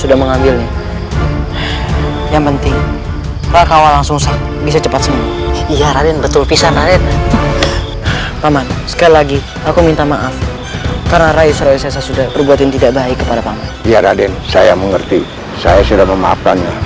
akan aku ampuni kalian